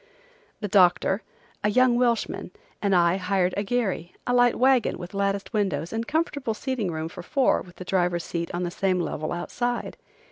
The doctor, a young Welshman, and I hired a gharry, a light wagon with latticed windows and comfortable seating room for four with the driver's seat on the same level outside.